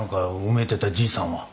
うめいてたじいさんは。